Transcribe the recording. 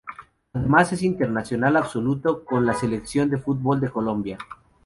Además es internacional absoluto con la selección de fútbol de Colombia.